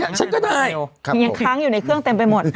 นี่ฉันก็ได้ครับผมจริงยังค้างอยู่ในเครื่องเต็มไปหมด